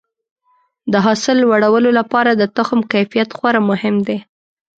د حاصل لوړولو لپاره د تخم کیفیت خورا مهم دی.